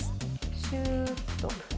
シューッと。